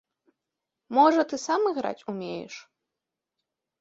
Можа ты сам іграць умееш?